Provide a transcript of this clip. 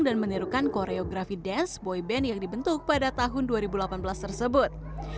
dan menirukan koreografi dance boyband yang dibentuk pada tahun dua ribu delapan belas tersebut